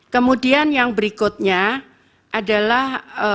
kemudian yang berikutnya adalah